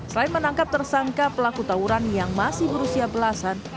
selain menangkap tersangka pelaku tawuran yang masih berusia belasan